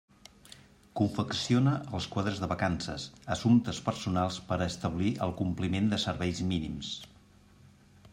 Confecciona els quadres de vacances, assumptes personals per a establir el compliment de serveis mínims.